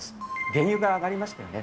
原油が上がりましたよね。